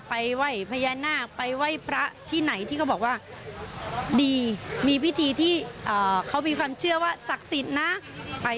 ไปไหว้พญานาคไปไหว้พระที่ไหนที่เขาบอกว่าดีมีพิธีที่เขามีความเชื่อว่าศักดิ์สิทธิ์นะไป